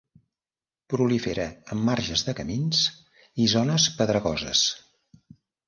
Prolifera en marges de camins i zones pedregoses.